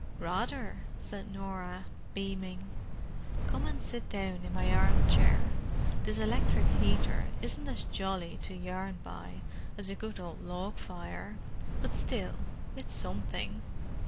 "Rather," said Norah, beaming. "Come and sit down in my armchair. This electric heater isn't as jolly to yarn by as a good old log fire, but still, it's something."